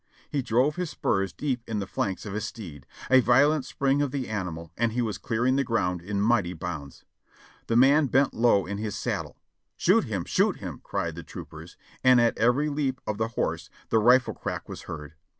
He drove his spurs deep in the flanks of his steed. A violent spring of the animal and he was clearing the ground in mighty bounds. The man bent low in his saddle. "Shoot him ! Shoot him !" cried the troopers, and at every leap of the horse the rifle crack was heard.